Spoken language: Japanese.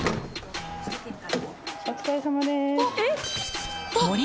お疲れさまです。